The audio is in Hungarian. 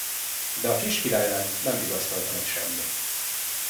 De a kis királylányt nem vigasztalta meg semmi.